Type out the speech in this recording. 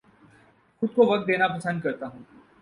خود کو وقت دنیا پسند کرتا ہوں